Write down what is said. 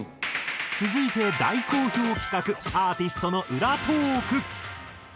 続いて大好評企画アーティストの裏トーク。